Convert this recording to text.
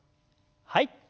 はい。